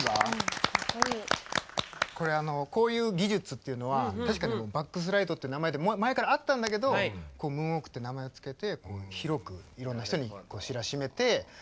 これこういう技術っていうのは確かにバックスライドって名前で前からあったんだけどムーンウォークって名前を付けてこう広くいろんな人に知らしめてみんながまねしたという。